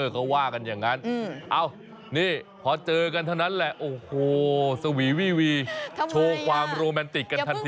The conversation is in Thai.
เขาว่ากันอย่างนั้นนี่พอเจอกันเท่านั้นแหละโอ้โหสวีวี่วีโชว์ความโรแมนติกกันทันที